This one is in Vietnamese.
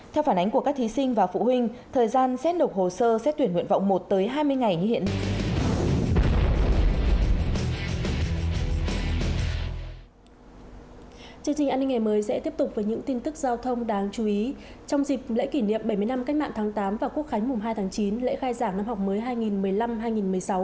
theo phản ánh của các thí sinh và phụ huynh thời gian xét nộp hồ sơ sẽ tuyển nguyện vọng một tới hai mươi ngày như hiện